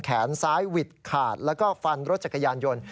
แขนซ้ายหวิดขาดแล้วก็ฟันรถจักรยานยนต์